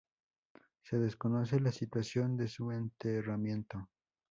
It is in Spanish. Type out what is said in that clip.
Se desconoce la situación de su enterramiento.